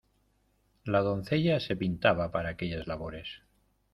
La doncella se pintaba para aquellas labores.